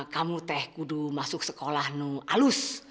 kamu teh kudu masuk sekolah nu alus